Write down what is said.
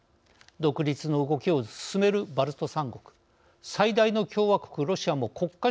独立の動きを進めるバルト三国最大の共和国ロシアも国家主権を宣言。